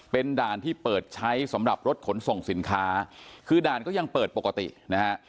เป็นด่านที่เปิดใช้สำหรับรถขนส่งสินค้าคือด่านก็ยังเปิดปกตินะฮะ